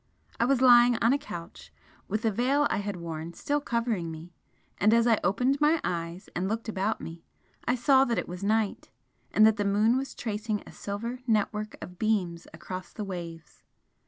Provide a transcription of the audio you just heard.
I was lying on a couch, with the veil I had worn still covering me, and as I opened my eyes and looked about me I saw that it was night, and that the moon was tracing a silver network of beams across the waves.